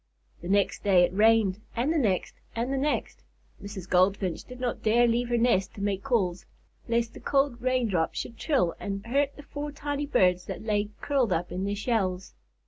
The next day it rained, and the next, and the next. Mrs. Goldfinch did not dare leave her nest to make calls, lest the cold raindrops should chill and hurt the four tiny birds that lay curled up in their shells.